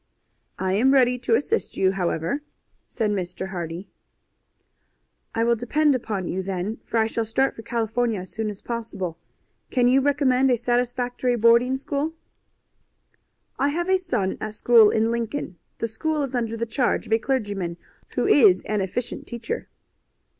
"I am ready to assist you, however." "I will depend upon you, then, for I shall start for California as soon as possible. Can you recommend a satisfactory boarding school?" "I have a son at school in Lincoln. The school is under the charge of a clergyman, who is an efficient teacher."